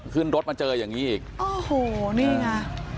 ขึ้นรถมาเจออย่างนี้อีกโอ้โหนี่ไง